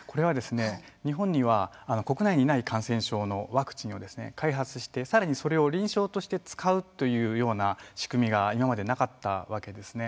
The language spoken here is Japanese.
日本には国内にない感染症のワクチンを開発して、さらにそれを臨床として使うというような仕組みが今までなかったわけですね。